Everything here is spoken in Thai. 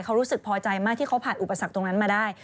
เขารู้สึกพอใจมากที่เขาผ่านอุปสรรคตรงนั้นมาได้